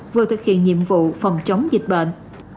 vừa thực hiện nhiệm vụ phòng chống dịch bệnh